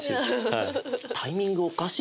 はい